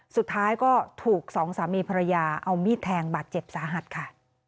สุดท้ายก็ถูกสองสามีภรรยาเอามีดแทงบาดเจ็บสาหัสค่ะ